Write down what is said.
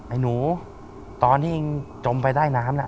ไอ้หนูตอนที่จมไปใต้น้ำน่ะ